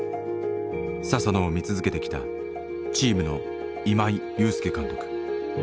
佐々野を見続けてきたチームの今井裕介監督。